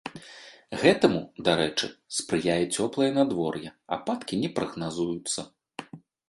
Гэтаму, дарэчы, спрыяе цёплае надвор'е, ападкі не прагназуюцца.